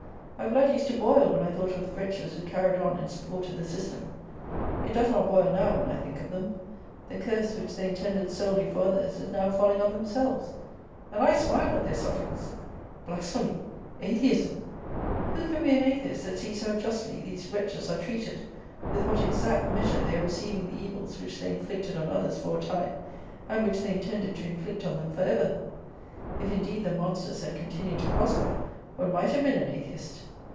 My blood used to boil when I thought of the wretches who carried on and supported the system. It does not boil now, when I think of them. The curse, which they intended solely for others, is now falling on themselves; and I smile at their sufferings. Blasphemy! Atheism! Who can be an Atheist, that sees how justly these wretches are treated; with what exact measure they are receiving the evils which they inflicted on others for a time, and which they intended to inflict on them for ever! If, indeed, the monsters had continued to prosper, one might have been an Atheist.